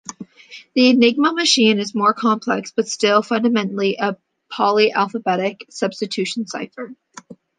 The Enigma machine is more complex but still fundamentally a polyalphabetic substitution cipher.